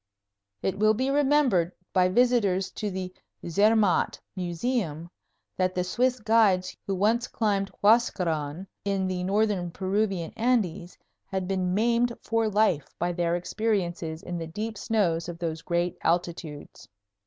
It will be remembered by visitors to the Zermatt Museum that the Swiss guides who once climbed Huascaran, in the northern Peruvian Andes, had been maimed for life by their experiences in the deep snows of those great altitudes.